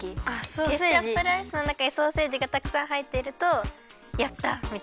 ケチャップライスのなかにソーセージがたくさんはいってるとやった！みたいな。